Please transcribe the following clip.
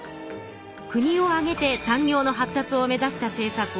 国を挙げて産業の発達を目指した政策を